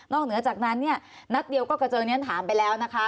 เหนือจากนั้นเนี่ยนัดเดียวก็กระเจิงเรียนถามไปแล้วนะคะ